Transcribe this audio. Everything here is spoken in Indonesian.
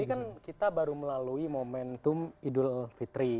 ini kan kita baru melalui momentum idul fitri